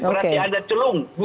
berarti ada celung